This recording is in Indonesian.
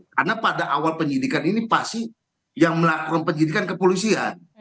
karena pada awal penyidikan ini pasti yang melakukan penyidikan kepolisian